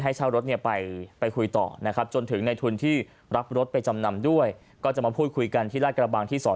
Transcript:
เช่ารถเนี่ยไปคุยต่อนะครับจนถึงในทุนที่รับรถไปจำนำด้วยก็จะมาพูดคุยกันที่ราชกระบังที่๒